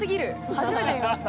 初めて見ました。